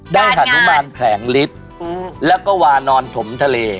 ได้ฮานุมานแผลงฤทธิ์และวานอนถมทะเล